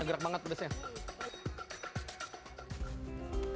gerak banget besarnya